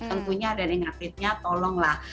tentunya dan inaktifnya tolonglah